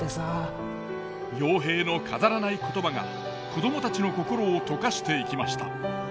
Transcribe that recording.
陽平の飾らない言葉が子どもたちの心を溶かしていきました。